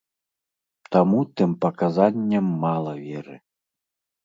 Таму тым паказанням мала веры.